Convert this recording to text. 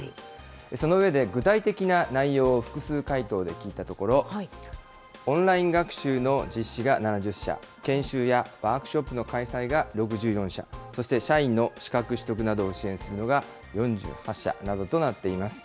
その上で、具体的な内容を複数回答で聞いたところ、オンライン学習の実施が７０社、研修やワークショップの開催が６４社、そして社員の資格取得などを支援するのが４８社などとなっています。